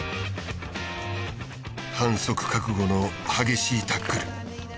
反則覚悟の激しいタックル。